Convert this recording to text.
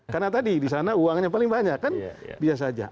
karena tadi di sana uangnya paling banyak kan biasa saja